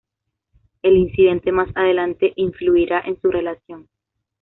El incidente más adelante influirá en su relación.